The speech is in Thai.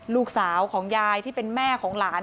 ลูกสาวของยายที่เป็นแม่ของหลาน